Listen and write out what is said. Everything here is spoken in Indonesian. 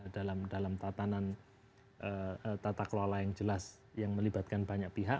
dalam tata kelola yang jelas yang melibatkan banyak pihak